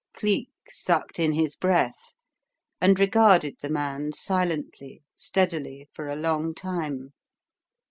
Cleek sucked in his breath and regarded the man silently, steadily, for a long time.